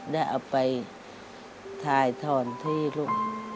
ได้เอาไปถ่ายถอนที่ลูก